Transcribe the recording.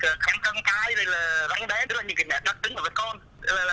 đấy là những cái đặc tính của con